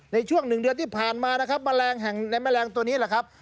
ในช่วงหนึ่งเดือนที่ผ่านมานะครับแมลงแห่งในแมลงตัวนี้แหละครับ